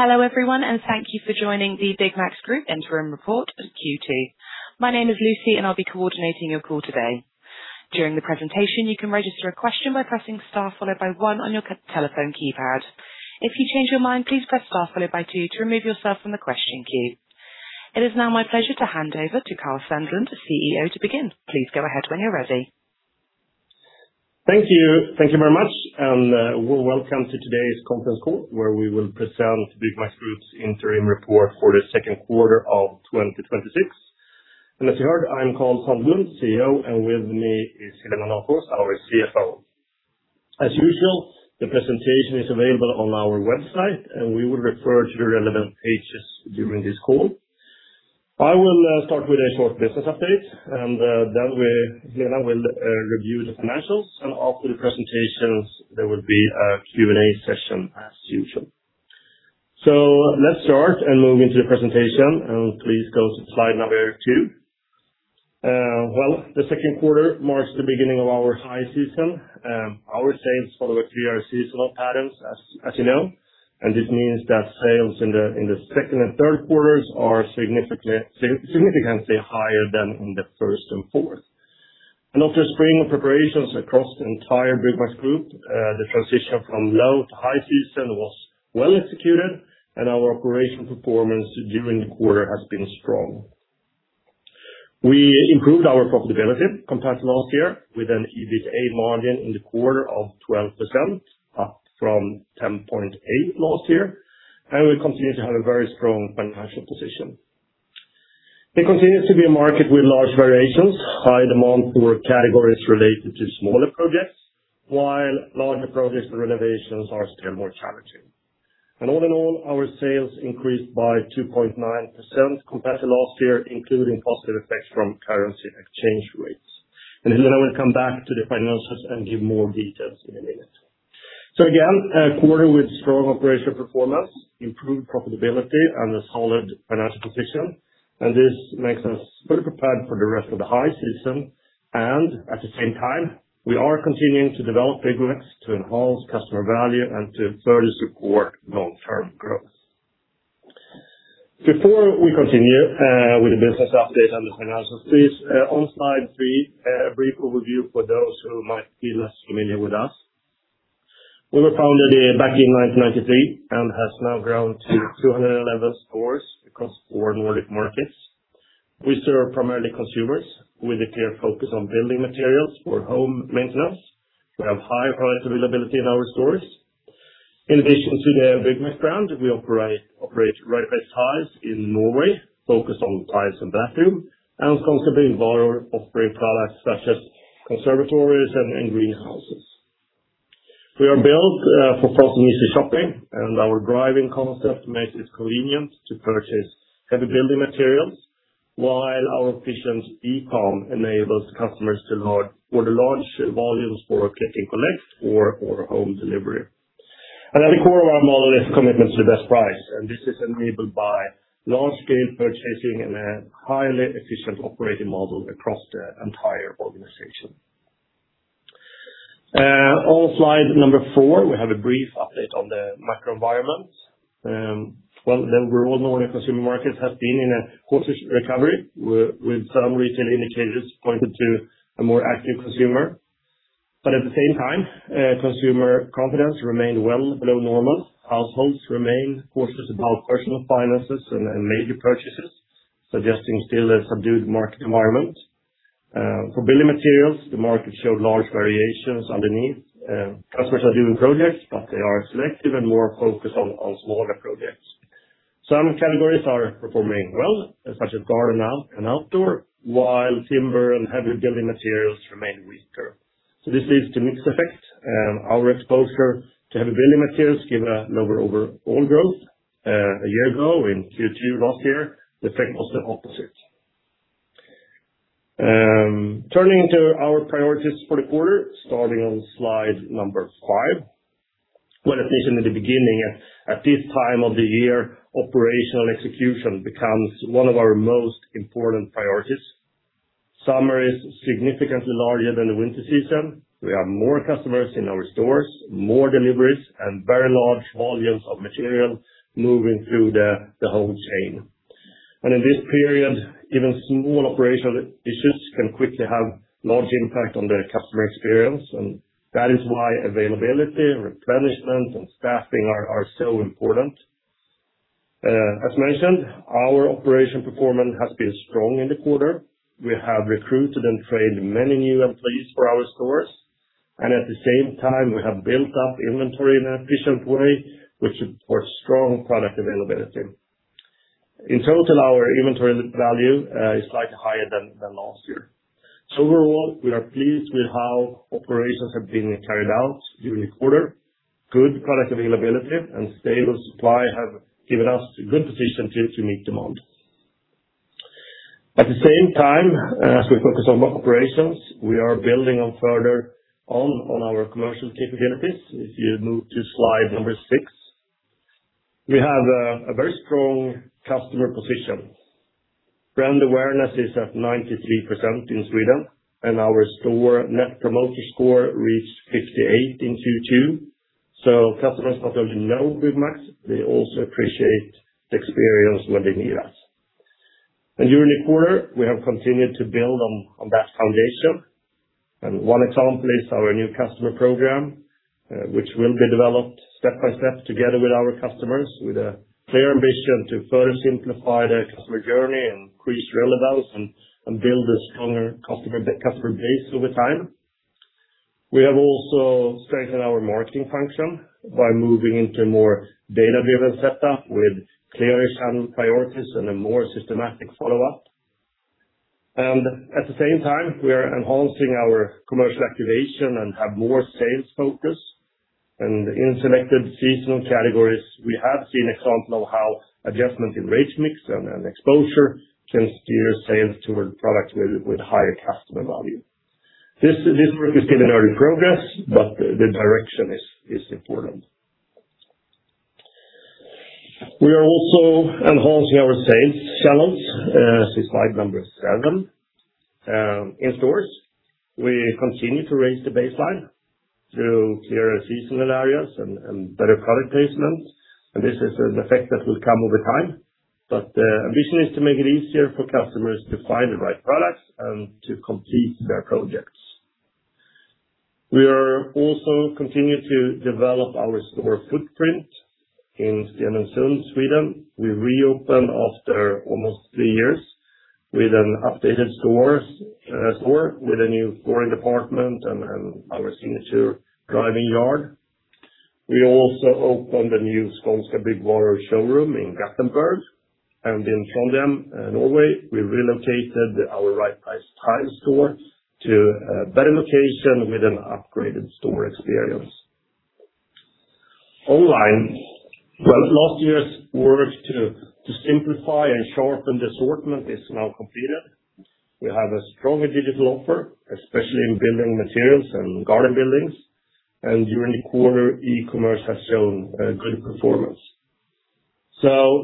Hello everyone, thank you for joining the Byggmax Group Interim Report Q2. My name is Lucy, and I'll be coordinating your call today. During the presentation, you can register a question by pressing star followed by one on your telephone keypad. If you change your mind, please press star followed by two to remove yourself from the question queue. It is now my pleasure to hand over to Karl Sandlund, the CEO, to begin. Please go ahead when you're ready. Thank you very much, welcome to today's conference call, where we will present Byggmax Group's interim report for the second quarter of 2026. As you heard, I'm Karl Sandlund, CEO, and with me is Helena Nathhorst, our CFO. As usual, the presentation is available on our website, and we will refer to the relevant pages during this call. I will start with a short business update, then Helena will review the financials. After the presentations, there will be a Q&A session as usual. Let's start and move into the presentation. Please go to slide number two. Well, the second quarter marks the beginning of our high season. Our sales follow a clear seasonal pattern, as you know, and this means that sales in the second and third quarters are significantly higher than in the first and fourth. After spring preparations across the entire Byggmax Group, the transition from low to high season was well executed, and our operational performance during the quarter has been strong. We improved our profitability compared to last year with an EBITA margin in the quarter of 12%, up from 10.8% last year, and we continue to have a very strong financial position. It continues to be a market with large variations, high demand for categories related to smaller projects, while larger projects and renovations are still more challenging. All in all, our sales increased by 2.9% compared to last year, including positive effects from currency exchange rates. Helena will come back to the finances and give more details in a minute. Again, a quarter with strong operational performance, improved profitability, and a solid financial position. This makes us fully prepared for the rest of the high season, and at the same time, we are continuing to develop Byggmax to enhance customer value and to further support long-term growth. Before we continue with the business update and the finances, please, on slide three, a brief overview for those who might be less familiar with us. We were founded back in 1993 and have now grown to 211 stores across four Nordic markets. We serve primarily consumers with a clear focus on building materials for home maintenance. We have high product availability in our stores. In addition to the Byggmax brand, we operate Right Price Tiles in Norway, focused on tiles and bathroom, and also in Finland, offering products such as conservatories and greenhouses. We are built for fast and easy shopping, our drive-in concept makes it convenient to purchase heavy building materials, while our efficient eCom enables customers to order large volumes for click and collect or home delivery. At the core of our model is a commitment to the best price, and this is enabled by large-scale purchasing and a highly efficient operating model across the entire organization. On slide number four, we have a brief update on the macro environment. The Norwegian consumer market has been in a cautious recovery, with some recent indicators pointing to a more active consumer. At the same time, consumer confidence remained well below normal. Households remain cautious about personal finances and major purchases, suggesting still a subdued market environment. For building materials, the market showed large variations underneath. Customers are doing projects, they are selective and more focused on smaller projects. Some categories are performing well, such as garden and outdoor, while timber and heavy building materials remain weaker. This leads to mixed effects. Our exposure to heavy building materials gave a lower overall growth. A year ago in Q2 last year, the trend was the opposite. Turning to our priorities for the quarter, starting on slide number five. At least in the beginning, at this time of the year, operational execution becomes one of our most important priorities. Summer is significantly larger than the winter season. We have more customers in our stores, more deliveries, and very large volumes of material moving through the whole chain. In this period, even small operational issues can quickly have a large impact on the customer experience, and that is why availability, replenishment, and staffing are so important. As mentioned, our operational performance has been strong in the quarter. We have recruited and trained many new employees for our stores, and at the same time, we have built up inventory in an efficient way, which supports strong product availability. In total, our inventory value is slightly higher than last year. Overall, we are pleased with how operations have been carried out during the quarter. Good product availability and stable supply have given us a good position to meet demand. At the same time, as we focus on operations, we are building on further on our commercial capabilities. If you move to slide number six. We have a very strong customer position. Brand awareness is at 93% in Sweden, and our store net promoter score reached 58 in Q2. Customers not only know Byggmax, they also appreciate the experience when they need us. During the quarter, we have continued to build on that foundation. One example is our new customer program, which will be developed step by step together with our customers, with a clear ambition to further simplify the customer journey and increase relevance and build a stronger customer base over time. We have also strengthened our marketing function by moving into more data-driven setup with clear channel priorities and a more systematic follow-up. At the same time, we are enhancing our commercial activation and have more sales focus. In selected seasonal categories, we have seen example how adjustment in rate mix and exposure can steer sales toward products with higher customer value. This work is still an early progress, but the direction is important. We are also enhancing our sales channels, see slide number seven. In stores, we continue to raise the baseline through clearer seasonal areas and better product placement, and this is an effect that will come over time. The ambition is to make it easier for customers to find the right products and to complete their projects. We are also continue to develop our store footprint in Stenungsund, Sweden. We reopened after almost three years with an updated store with a new flooring department and our signature driving yard. We also opened a new Skånska Byggvaror showroom in Gothenburg. In Trondheim, Norway, we relocated our Right Price Tiles store to a better location with an upgraded store experience. Online, well, last year's work to simplify and sharpen the assortment is now completed. We have a stronger digital offer, especially in building materials and garden buildings, and during the quarter, e-commerce has shown a good performance.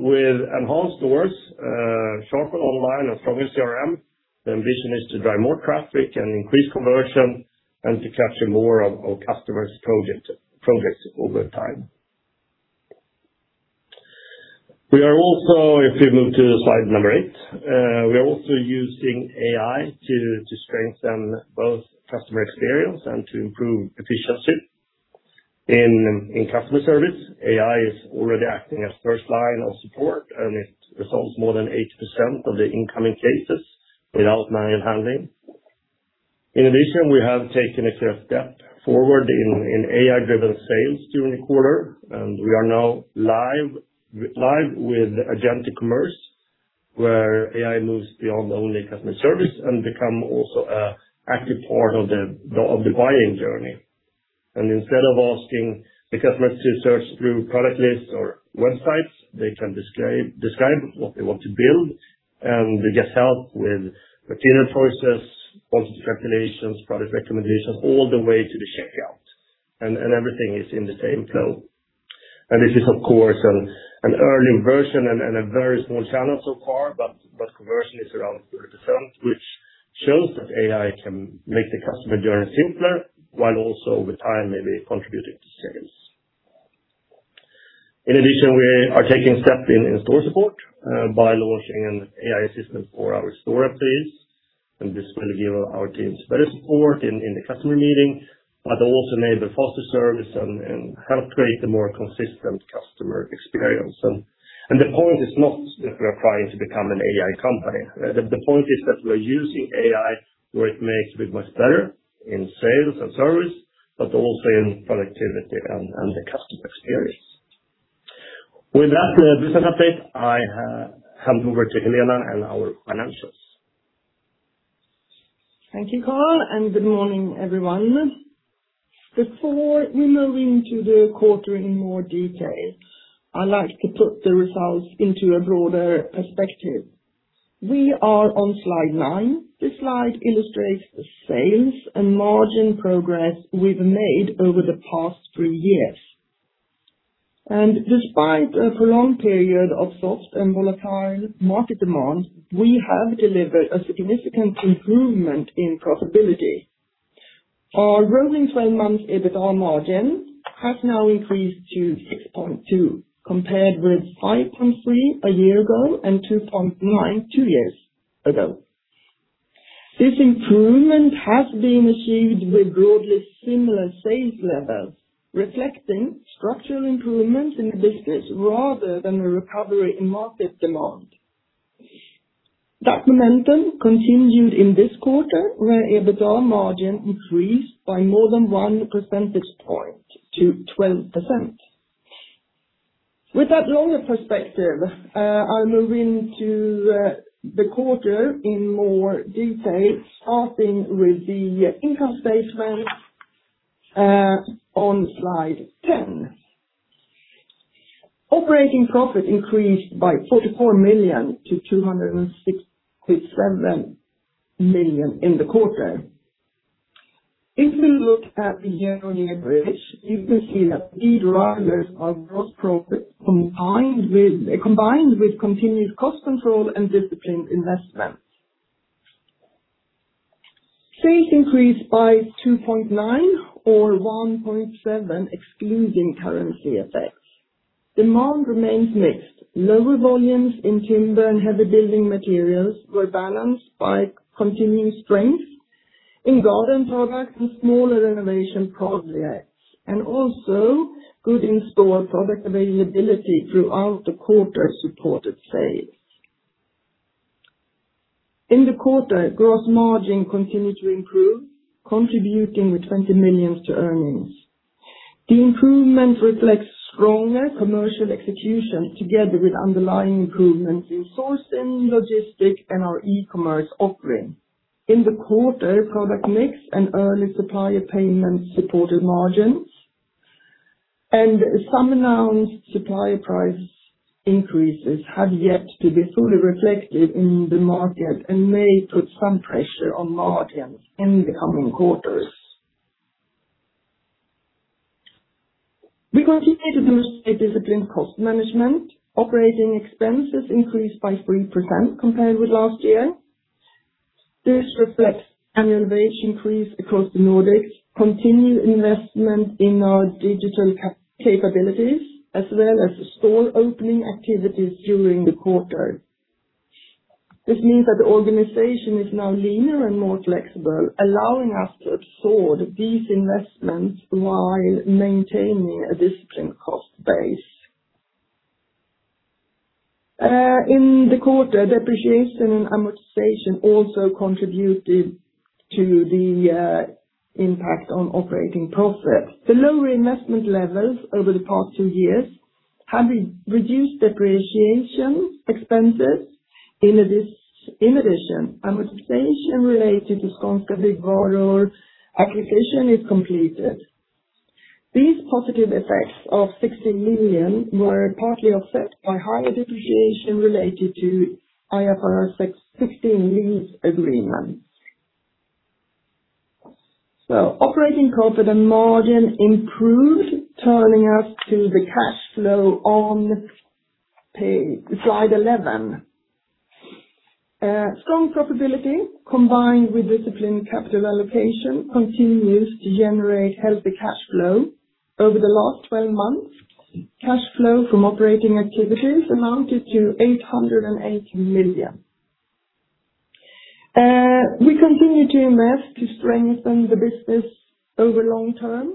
With enhanced stores, sharper online, and stronger CRM, the ambition is to drive more traffic and increase conversion and to capture more of our customers' projects over time. We are also, if you move to slide number eight, we are also using AI to strengthen both customer experience and to improve efficiency in customer service. AI is already acting as first line of support, and it resolves more than 80% of the incoming cases without manual handling. In addition, we have taken a clear step forward in AI-driven sales during the quarter, and we are now live with agentic commerce, where AI moves beyond only customer service and become also an active part of the buying journey. Instead of asking the customers to search through product lists or websites, they can describe what they want to build, and they get help with material choices, quantity calculations, product recommendations, all the way to the checkout, and everything is in the same flow. This is of course, an early version and a very small channel so far, but conversion is around 30%, which shows that AI can make the customer journey simpler while also with time maybe contributing to sales. In addition, we are taking steps in store support by launching an AI assistant for our store employees, and this will give our teams better support in the customer meeting, but also enable faster service and help create a more consistent customer experience. The point is not that we're trying to become an AI company. The point is that we're using AI where it makes Byggmax better in sales and service, but also in productivity and the customer experience. With that business update, I hand over to Helena and our financials. Thank you, Karl, and good morning, everyone. Before we move into the quarter in more detail, I like to put the results into a broader perspective. We are on slide nine. This slide illustrates the sales and margin progress we've made over the past three years. Despite a prolonged period of soft and volatile market demand, we have delivered a significant improvement in profitability. Our rolling 12-month EBITA margin has now increased to 6.2%, compared with 5.3% a year ago and 2.9% two years ago. This improvement has been achieved with broadly similar sales levels, reflecting structural improvements in the business rather than a recovery in market demand. That momentum continued in this quarter, where EBITA margin increased by more than one percentage point to 12%. With that longer perspective, I will move into the quarter in more detail, starting with the income statement, on slide 10. Operating profit increased by 44 million to 267 million in the quarter. If you look at the year-on-year bridge, you can see that key drivers are gross profit combined with continued cost control and disciplined investment. Sales increased by 2.9% or 1.7% excluding currency effects. Demand remains mixed. Lower volumes in timber and heavy building materials were balanced by continuing strength in garden products and smaller innovation projects, and also good in-store product availability throughout the quarter supported sales. In the quarter, gross margin continued to improve, contributing with 20 million to earnings. The improvement reflects stronger commercial execution together with underlying improvements in sourcing, logistics, and our e-commerce offering. In the quarter, product mix and early supplier payments supported margins, and some announced supply price increases have yet to be fully reflected in the market and may put some pressure on margins in the coming quarters. We continue to demonstrate disciplined cost management. Operating expenses increased by 3% compared with last year. This reflects an inflation increase across the Nordics, continued investment in our digital capabilities, as well as store opening activities during the quarter. This means that the organization is now leaner and more flexible, allowing us to absorb these investments while maintaining a disciplined cost base. In the quarter, depreciation and amortization also contributed to the impact on operating profit. The lower investment levels over the past two years have reduced depreciation expenses. In addition, amortization related to Skånska Byggvaror acquisition is completed. These positive effects of 16 million were partly offset by higher depreciation related to IFRS 16 lease agreements. Operating profit and margin improved, turning us to the cash flow on slide 11. Strong probability combined with disciplined capital allocation continues to generate healthy cash flow. Over the last 12 months, cash flow from operating activities amounted to 880 million. We continue to invest to strengthen the business over long term.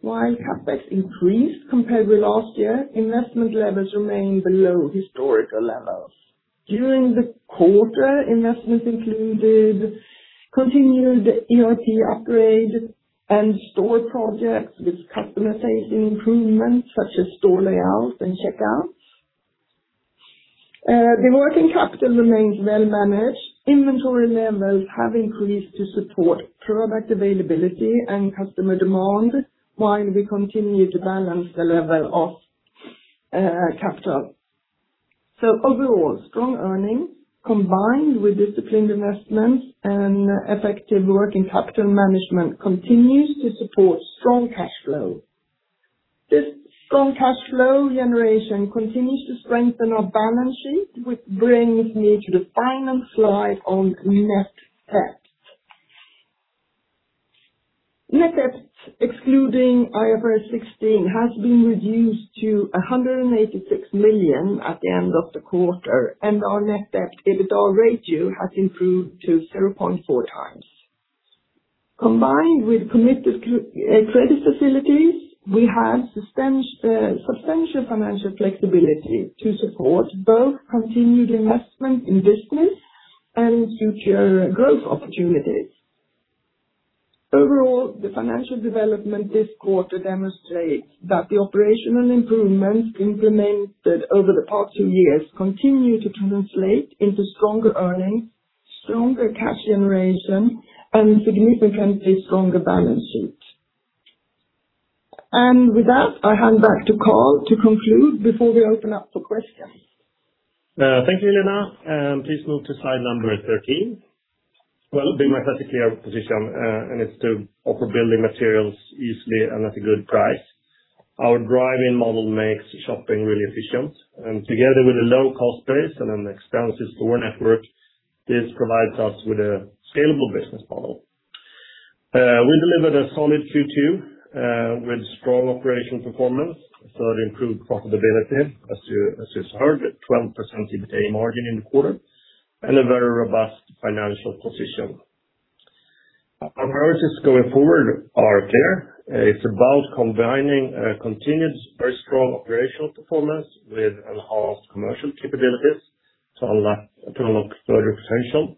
While CapEx increased compared with last year, investment levels remain below historical levels. During the quarter, investments included continued ERP upgrade and store projects with customer-facing improvements such as store layout and checkout. The working capital remains well managed. Inventory levels have increased to support product availability and customer demand while we continue to balance the level of capital. Overall, strong earnings combined with disciplined investments and effective working capital management continues to support strong cash flow. This strong cash flow generation continues to strengthen our balance sheet, which brings me to the final slide on net debt. Net debt, excluding IFRS 16, has been reduced to 186 million at the end of the quarter, and our net debt to EBITDA ratio has improved to 0.4x. Combined with committed credit facilities, we have substantial financial flexibility to support both continued investment in business and future growth opportunities. Overall, the financial development this quarter demonstrates that the operational improvements implemented over the past two years continue to translate into stronger earnings, stronger cash generation, and significantly stronger balance sheet. With that, I hand back to Karl to conclude before we open up for questions. Thank you, Helena. Please move to slide number 13. Well, Byggmax has a clear position, and it's to offer building materials easily and at a good price. Our drive-in model makes shopping really efficient, and together with a low cost base and an expansive store network, this provides us with a scalable business model. We delivered a solid Q2 with strong operational performance, further improved profitability, as you just heard, a 12% EBITA margin in the quarter, and a very robust financial position. Our priorities going forward are clear. It's about combining a continued very strong operational performance with enhanced commercial capabilities to unlock further potential.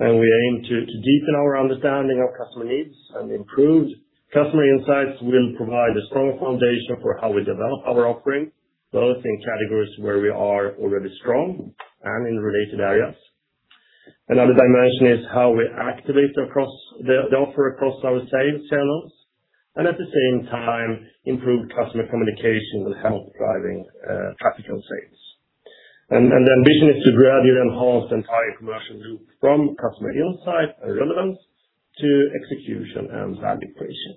We aim to deepen our understanding of customer needs and improve customer insights will provide a strong foundation for how we develop our offering, both in categories where we are already strong and in related areas. Another dimension is how we activate the offer across our sales channels and at the same time improve customer communication will help driving capital sales. The ambition is to gradually enhance the entire commercial group from customer insight and relevance to execution and value creation.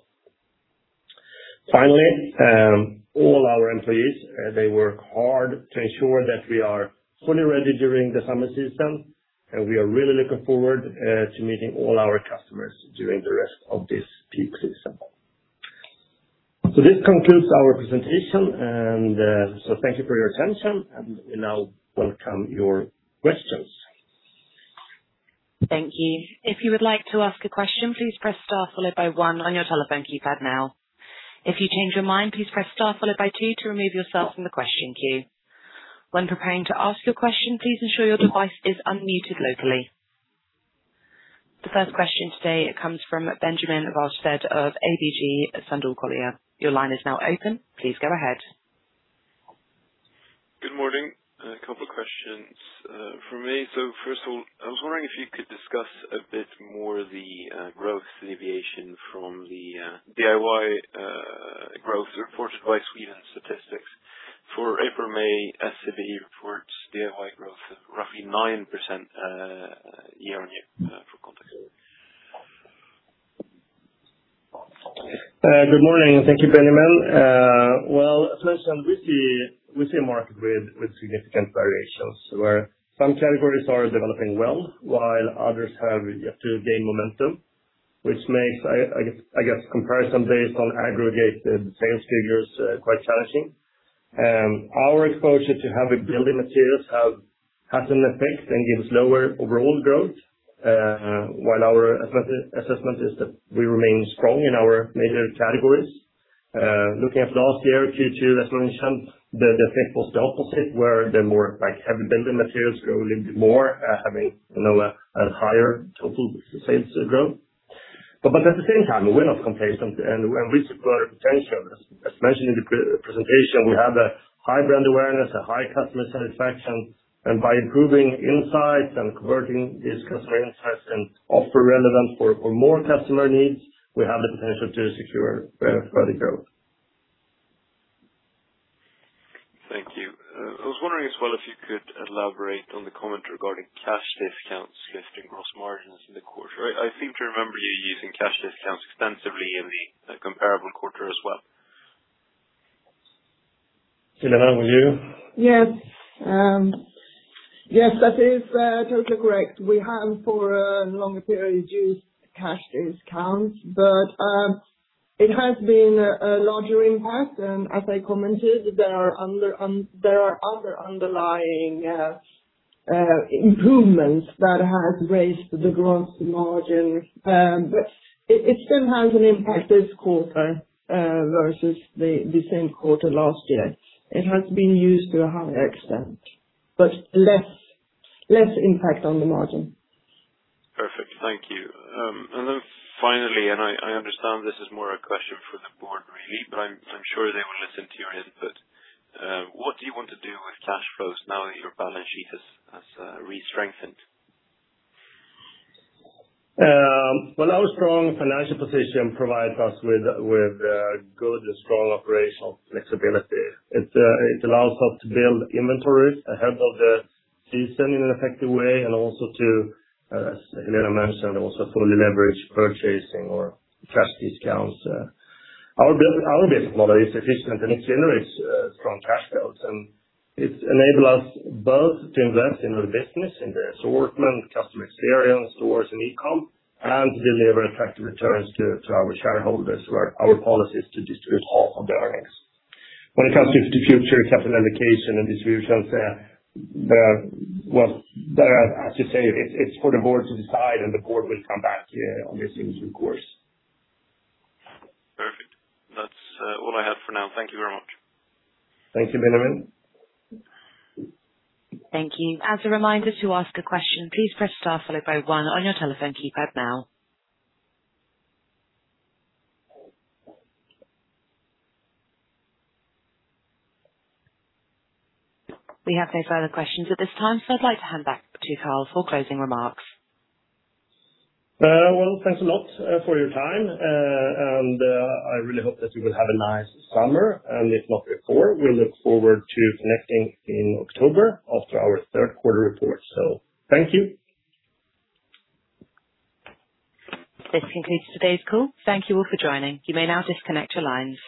Finally, all our employees, they work hard to ensure that we are fully ready during the summer season, and we are really looking forward to meeting all our customers during the rest of this peak season. This concludes our presentation. Thank you for your attention, and we now welcome your questions. Thank you. If you would like to ask a question, please press star followed by one on your telephone keypad now. If you change your mind, please press star followed by two to remove yourself from the question queue. When preparing to ask your question, please ensure your device is unmuted locally. The first question today comes from Benjamin Wahlstedt of ABG Sundal Collier. Your line is now open. Please go ahead. Good morning. A couple of questions from me. First of all, I was wondering if you could discuss a bit more the growth deviation from the DIY growth reported by Statistics Sweden. For April, May, SCB reports DIY growth of roughly 9% year-on-year for context. Good morning. Thank you, Benjamin. Well, as mentioned, we see a market with significant variations, where some categories are developing well while others have yet to gain momentum. Which makes, I guess, comparison based on aggregated sales figures quite challenging. Our exposure to heavy building materials has an effect and gives lower overall growth, while our assessment is that we remain strong in our major categories. Looking at last year, Q2, as mentioned, the effect was the opposite, where the more heavy building materials grew a little bit more, having a higher total sales growth. At the same time, we're not complacent and we secure potential. As mentioned in the presentation, we have a high brand awareness, a high customer satisfaction, and by improving insights and converting these customer insights and offer relevance for more customer needs, we have the potential to secure further growth. Thank you. I was wondering as well if you could elaborate on the comment regarding cash discounts lifting gross margins in the quarter. I seem to remember you using cash discounts extensively in the comparable quarter as well. Helena, will you? Yes. That is totally correct. We have, for longer period use, cash discounts. It has been a larger impact. As I commented, there are other underlying improvements that have raised the gross margin. It still has an impact this quarter versus the same quarter last year. It has been used to a higher extent, but less impact on the margin. Perfect. Thank you. Finally, I understand this is more a question for the board really, but I'm sure they will listen to your input. What do you want to do with cash flows now that your balance sheet has re-strengthened? Well, our strong financial position provides us with good and strong operational flexibility. It allows us to build inventories ahead of the season in an effective way and also to, as Helena mentioned, also fully leverage purchasing or cash discounts. Our business model is efficient, it generates strong cash flows. It enable us both to invest in our business, in the assortment, customer experience, stores, and e-com, and to deliver effective returns to our shareholders, where our policy is to distribute half of the earnings. When it comes to future capital allocation and distributions, I have to say, it's for the board to decide, and the board will come back on this in due course. Perfect. That's all I have for now. Thank you very much. Thank you, Benjamin. Thank you. As a reminder, to ask a question, please press star followed by one on your telephone keypad now. We have no further questions at this time. I'd like to hand back to Karl for closing remarks. Well, thanks a lot for your time. I really hope that you will have a nice summer. If not before, we look forward to connecting in October after our third quarter report. Thank you. This concludes today's call. Thank you all for joining. You may now disconnect your lines.